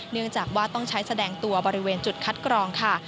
เนื่องจากว่าต้องใช้แสดงตัวบริเวณจุดคัดกรองค่ะ